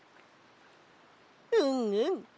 うんうん。